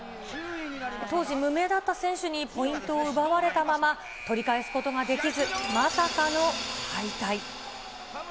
当時、無名だった選手にポイントを奪われたまま、取り返すことができず、まさかの敗退。